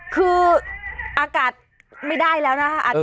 ขึ้นมาเร็ว